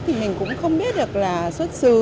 thì mình cũng không biết được là xuất xứ